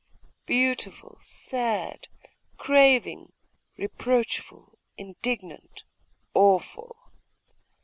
Beautiful, sad, craving, reproachful, indignant, awful....